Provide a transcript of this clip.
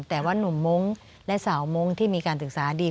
แต่ว่านุ่มมงค์และสาวมงค์ที่มีการศึกษาดี